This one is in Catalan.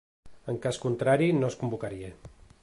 En cas contrari, no es convocaria.